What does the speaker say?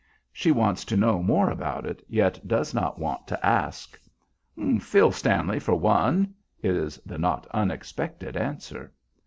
She wants to know more about it, yet does not want to ask. "Phil Stanley, for one," is the not unexpected answer.